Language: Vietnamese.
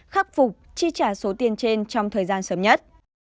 khắc phục chi trả số tiền trên trong thời gian sớm nhất